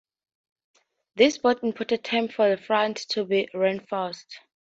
This bought important time for the front to be reinforced.